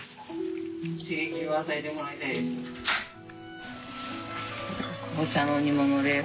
刺激を与えてもらいたいです。